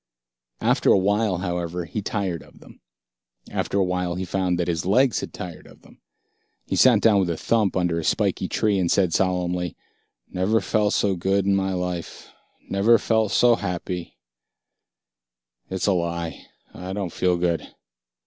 After awhile, however, he tired of them. After awhile he found that his legs had tired of them. He sat down with a thump under a spiky tree and said solemnly, "Never felt so good in my life. Never felt so happy it's a lie. I don't feel good."